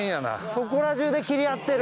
そこらじゅうで斬り合ってる。